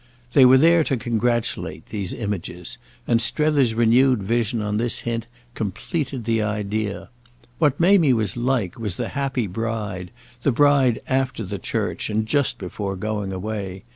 They were there to congratulate, these images, and Strether's renewed vision, on this hint, completed the idea. What Mamie was like was the happy bride, the bride after the church and just before going away.